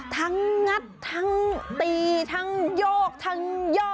งัดทั้งตีทั้งโยกทั้งย่อ